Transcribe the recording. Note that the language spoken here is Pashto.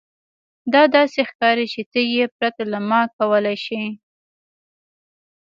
دا داسې ښکاري چې ته یې پرته له ما کولی شې